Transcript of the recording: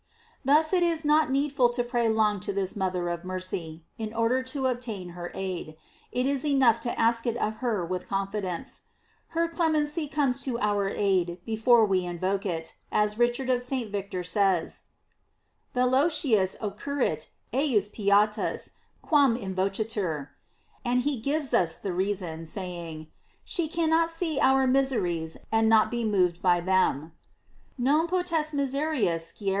f Thus it is not needful to pray long to this mother of mercy, in order to obtain her aid; it is enough to ask it of her with confidence. Her clemency comes to our aid before we invoke it, as Richard of St. Victor says: "Velocius occur rit ejus pietas, quam invocetur;" and he gives us the reason, saying: She cannot see our miseries, and not be moved by them: "Non potest miserias ecire, * Sileat misericordiam tuam, si quis te invocatam meminerit de fuisse.